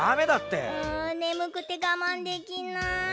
うんねむくてがまんできない。